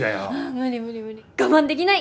無理無理無理我慢できない。